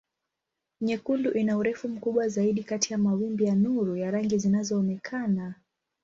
Nyekundu ina urefu mkubwa zaidi kati ya mawimbi ya nuru ya rangi zinazoonekana.